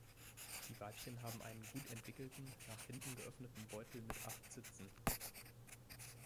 Die Weibchen haben einen gut entwickelten, nach hinten geöffneten Beutel mit acht Zitzen.